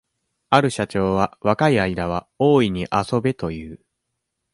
ある社長は、若い間はおおいに遊べという。